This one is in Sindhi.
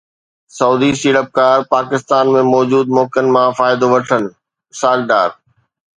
سعودي سيڙپڪار پاڪستان ۾ موجود موقعن مان فائدو وٺن، اسحاق ڊار